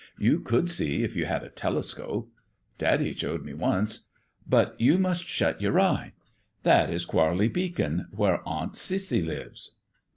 You could see if you had a telescope. Daddy showed me once; but you must shut your eye. That is Quarley Beacon, where Aunt Cissy lives."